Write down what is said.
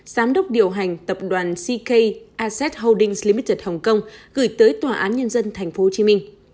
giám đốc điều hành tập đoàn ck asset holdings limited hồng kông gửi tới tòa án nhân dân tp hcm